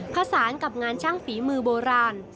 ผสานกับงานช่างฝีมือโบราณ